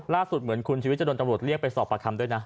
เหมือนคุณชีวิตจะโดนตำรวจเรียกไปสอบประคำด้วยนะ